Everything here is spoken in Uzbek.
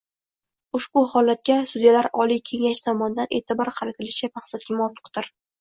Ushbu holatga Sudyalar Oliy kengashi tomonidan e’tibor qaratilishi maqsadga muvofiqdir